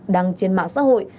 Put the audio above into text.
đăng trên mạng xã hội